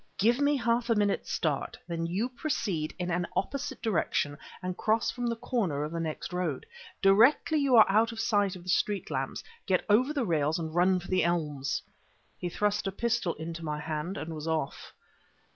Give me half a minute's start, then you proceed in an opposite direction and cross from the corner of the next road. Directly you are out of the light of the street lamps, get over the rails and run for the elms!" He thrust a pistol into my hand and was off.